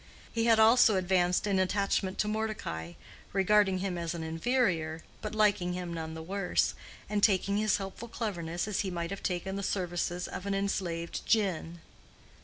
He had also advanced in attachment to Mordecai, regarding him as an inferior, but liking him none the worse, and taking his helpful cleverness as he might have taken the services of an enslaved Djinn.